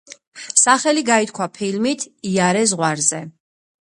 სახელი გაითქვა ფილმით „იარე ზღვარზე“.